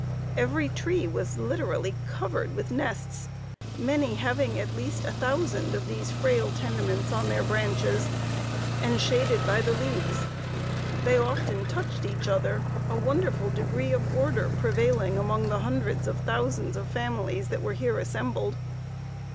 Every tree was literally covered with nests, many having at least a thousand of these frail tenements on their branches, and shaded by the leaves. They often touched each other, a wonderful degree of order prevailing among the hundreds of thousands of families that were here assembled.